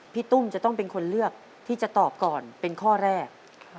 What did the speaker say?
ตุ้มจะต้องเป็นคนเลือกที่จะตอบก่อนเป็นข้อแรก